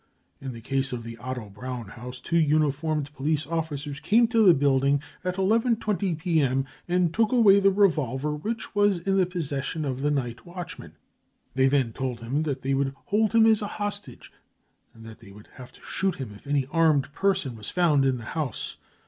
<e In the case of the Otto Braun House, two uniformed police officers came to the building at 1 1 .20 p.m. and took away the revolver which was in the possession of the night watchman. They then told him that they would hold him as a hostage, and that they would have to shoot him if any armed person was found in the house.